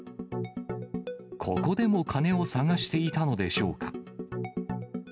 ここでも金を探していたのでしょうか。